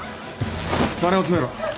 金を詰めろ。